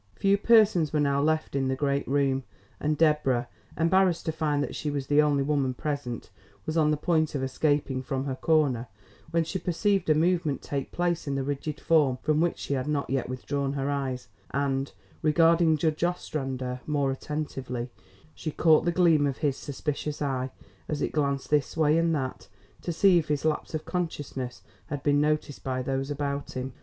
Few persons were now left in the great room, and Deborah, embarrassed to find that she was the only woman present, was on the point of escaping from her corner when she perceived a movement take place in the rigid form from which she had not yet withdrawn her eyes, and, regarding Judge Ostrander more attentively, she caught the gleam of his suspicious eye as it glanced this way and that to see if his lapse of consciousness had been noticed by those about him.